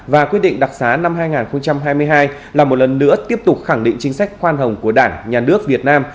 và quyết định đặc xá năm hai nghìn hai mươi hai là một lần nữa tiếp tục khẳng định chính sách khoan hồng của đảng nhà nước việt nam